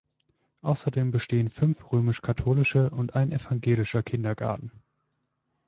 Außerdem bestehen fünf römisch-katholische und ein evangelischer Kindergarten.